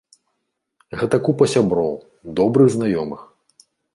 Гэта купа сяброў, добрых знаёмых.